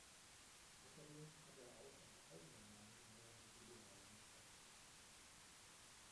Außerdem hat er auch unter eigenem Namen mehrere Soloalben veröffentlicht.